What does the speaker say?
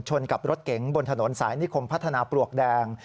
กับรถเก๋งบนถนนสายนิคมพัฒนาปลวกแดง